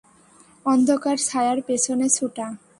অন্ধকার ছায়ার পেছনে ছুটা!